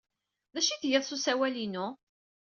D acu ay tgiḍ s userwal-inu?